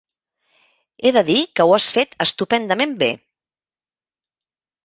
He de dir que ho has fet estupendament bé!